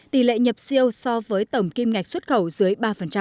tỷ lệ nhập siêu so với tổng kim ngạch xuất khẩu dưới ba